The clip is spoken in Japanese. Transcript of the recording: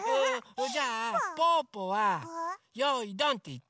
それじゃあぽぅぽは「よいどん」っていって。